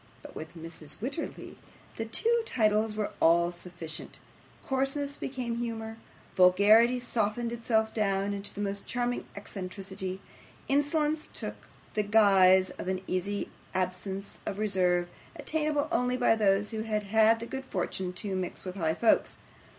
But with Mrs. Wititterly the two titles were all sufficient; coarseness became humour, vulgarity softened itself down into the most charming eccentricity; insolence took the guise of an easy absence of reserve, attainable only by those who had had the good fortune to mix with high folks.